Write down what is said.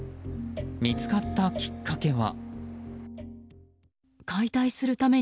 見つかったきっかけは。